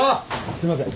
すいません。